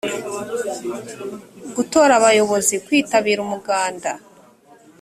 gutora abayobozi kwitabira umuganda